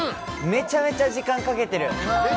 めちゃめちゃ時間かけてる？